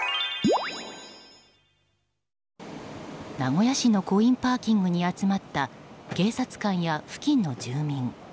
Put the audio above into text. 名古屋市のコインパーキングに集まった、警察官や付近の住民。